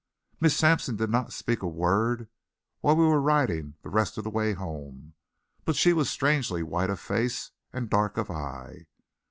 Miss Sampson did not speak a word while we were riding the rest of the way home, but she was strangely white of face and dark of eye.